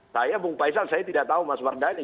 saya bung faisal saya tidak tahu mas mardani